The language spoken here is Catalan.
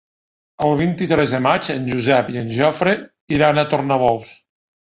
El vint-i-tres de maig en Josep i en Jofre iran a Tornabous.